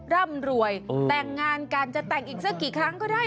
ร่ำรวยแต่งงานกันจะแต่งอีกสักกี่ครั้งก็ได้